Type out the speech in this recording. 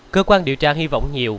cơ quan điều tra hy vọng nhiều